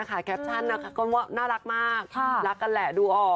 แคปชั่นนะคะก็น่ารักมากรักกันแหละดูออก